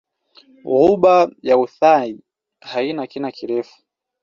Ghuba ya Uthai haina kina kirefu.